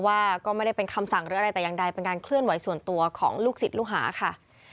ว่าก็ไม่ได้เป็นคำสั่งหรืออะไรแต่อย่างใดเป็นการเคลื่อนไหวส่วนตัวของลูกศิษย์ลูกหาค่ะ